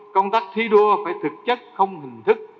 công tác thi đua phải thực chất không hình thức